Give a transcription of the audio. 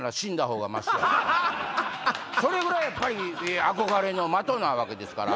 それぐらいやっぱり憧れの的なわけですから。